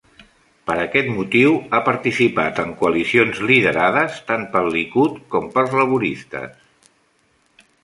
Per aquest motiu, ha participat en coalicions liderades tant pel Likud com pels laboristes.